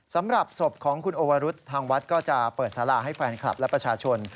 สำหรับศพของคุณโอวรุษทางวัดก็จะเปิดสาราให้แฟนคลับและประชาชน